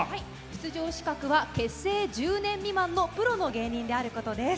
出場資格は結成１０年未満のプロの芸人であることです。